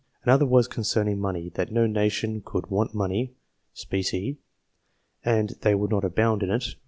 Another was " concerning money ; that no nation could want money (specie), and they would not abound in it.